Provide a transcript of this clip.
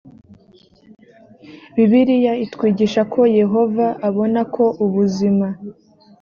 bibiliya itwigisha ko yehova abona ko ubuzima